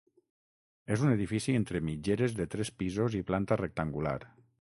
És un edifici entre mitgeres de tres pisos i planta rectangular.